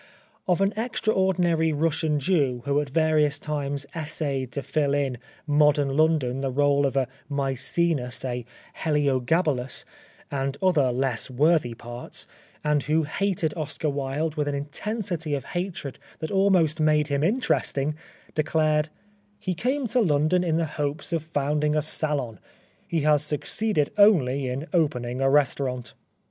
Of an extra ordinary Russian Jew who at various times essayed to fiU in modern London the role of a Maecenas, a Hehogabalus, and other less worthy parts, and who hated Oscar Wilde with an intensity of hatred that almost made him interesting, he declared: " He came to London 105 The Life of Oscar Wilde in the hopes of founding a salon. He has succeeded only in opening a restaurant."